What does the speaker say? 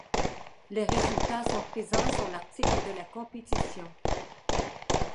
Les résultats sont présents sur l'article de la compétition.